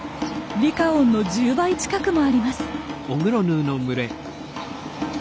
リカオンの１０倍近くもあります。